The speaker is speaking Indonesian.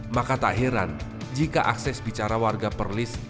maka tak heran jika akses bicara warga perlis